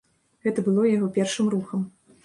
Гэта было яго першым рухам.